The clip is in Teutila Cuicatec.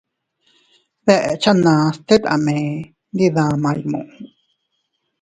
Deʼchanas tet a mee iydidamay nuu.